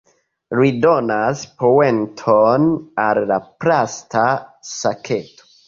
Ri donas poenton al la plasta saketo.